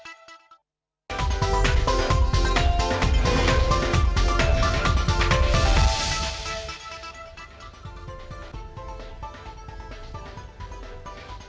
oke sampai jumpa